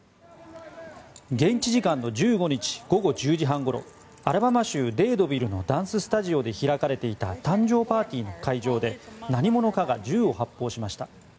現地時間の１５日午後１０時半ごろアラバマ州デートビルのダンススタジオで開かれていた誕生日パーティーの会場で何者かが銃を発砲しました。